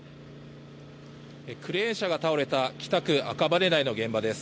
クレーン車が倒れた北区赤羽台の現場です。